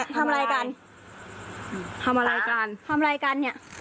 ทำอะไรกันเนี่ย